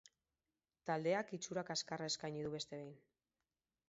Taldeak itxura kaskarra eskaini du beste behin.